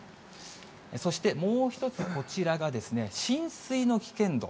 そして、もう一つこちらが、浸水の危険度。